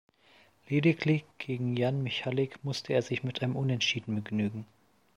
Lediglich gegen Jan Michalik musste er sich mit einem Unentschieden begnügen.